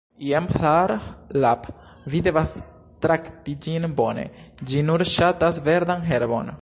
Jen Phar Lap, vi devas trakti ĝin bone, ĝi nur ŝatas verdan herbon.